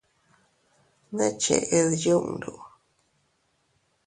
¿Ne ched yundu?